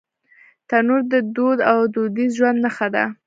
تنور د دود او دودیز ژوند نښه ده